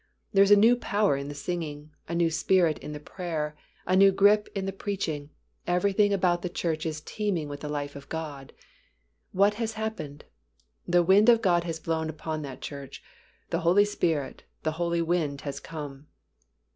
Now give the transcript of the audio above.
There is a new power in the singing, a new spirit in the prayer, a new grip in the preaching, everything about the church is teeming with the life of God. What has happened? The Wind of God has blown upon that church; the Holy Spirit, the Holy Wind, has come.